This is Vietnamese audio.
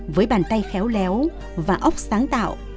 với bàn tay khéo léo và óc sáng tạo